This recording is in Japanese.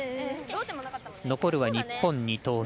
残るは日本２投。